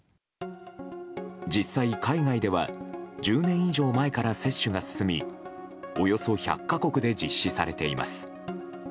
実際、海外では１０年以上前から接種が進みおよそ１００か国で実施されています。